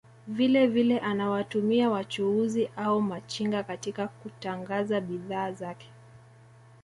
Vile vile anawatumia wachuuzi au machinga katika kutangaza bidhaa zake